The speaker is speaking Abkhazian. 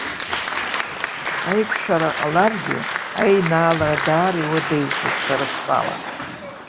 Аиқәшәара ҟаларгьы аинаалара даара иуадаҩхоит, сара стәала.